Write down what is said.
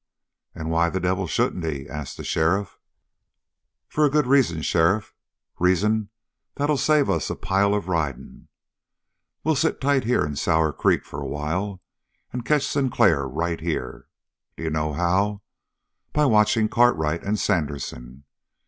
"And why the devil shouldn't he?" asked the sheriff. "For a good reason, sheriff, reason that'll save us a pile of riding. We'll sit tight here in Sour Creek for a while and catch Sinclair right here. D'you know how? By watching Cartwright and Sandersen.